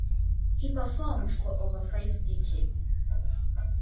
He performed for over five decades.